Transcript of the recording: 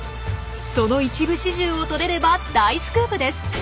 その一部始終を撮れれば大スクープです。